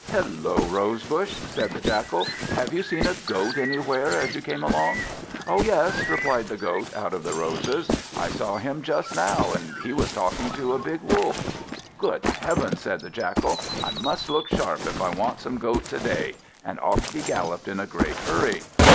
"Hullo, Rose bush!" said the Jackal. "Have you seen a Goat anywhere as you came along?" "Oh yes," replied the Goat, out of the roses; "I saw him just now, and he was talking to a big Wolf." "Good heavens!" said the Jackal, "I must look sharp, if I want some Goat to day," and off he galloped, in a great hurry.